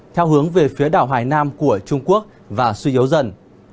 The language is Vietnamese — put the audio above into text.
theo hướng về phía đảo hải nam của trung quốc và suy yếu dần